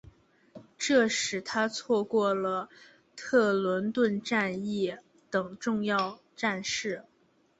这使他错过了特伦顿战役等重要战事。